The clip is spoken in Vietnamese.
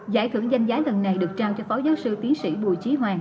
giải thưởng danh giá lần này được trao cho phó giáo sư tiến sĩ bùi chiến